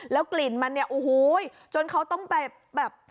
กลิ่นมันเนี่ยโอ้โหจนเขาต้องไปแบบ